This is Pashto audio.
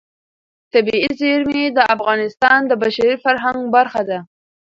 طبیعي زیرمې د افغانستان د بشري فرهنګ برخه ده.